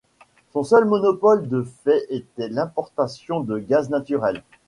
Son seul monopole de fait était l'importation de gaz naturel.